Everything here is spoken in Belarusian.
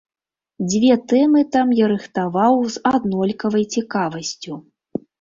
Дзве тэмы там я рыхтаваў з аднолькавай цікавасцю.